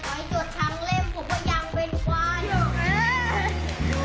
แต่ให้จดทั้งเล่มผมก็ยังเป็นกว้าน